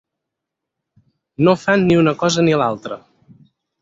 No fan ni un cosa ni l'altra.